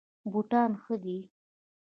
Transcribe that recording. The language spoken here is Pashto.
بوټان ښه دي.